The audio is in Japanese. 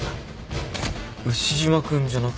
牛島くんじゃなくて？